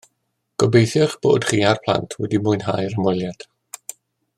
Gobeithio eich bod chi a'r plant wedi mwynhau'r ymweliad